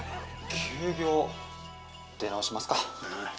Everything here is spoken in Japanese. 休業出直しますか。